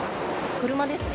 車ですね。